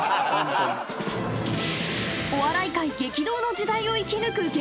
［お笑い界激動の時代を生きぬく